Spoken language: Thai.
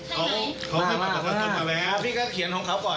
พี่ก็เขียนของเขาก่อนเนี่ย